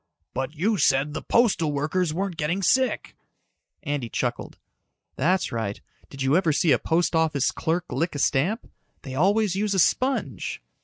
"But you said that postal workers weren't getting sick." Andy chucked. "That's right. Did you ever see a post office clerk lick a stamp? They always use a sponge."